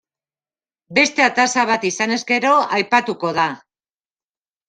Beste ataza bat izanez gero aipatuko da.